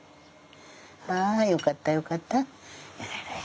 はいよかったよかった。